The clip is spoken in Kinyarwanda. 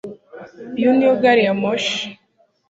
iyo niyo gariyamoshi